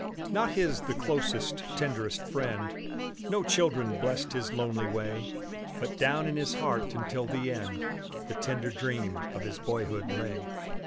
Not his the closest, tenderest friend No children blessed his lonely way; But down in his heart until the end The tender dream of his boyhood lay.